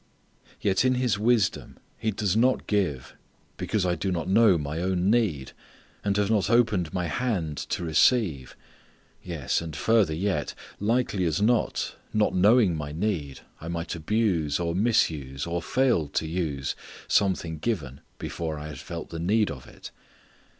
Yet in His wisdom He does not give because I do not know my own need, and have not opened my hand to receive, yes, and, further yet, likely as not, not knowing my need I might abuse, or misuse, or fail to use, something given before I had felt the need of it.